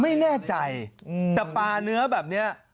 ไม่แน่ใจแต่ปลาเนื้อแบบนี้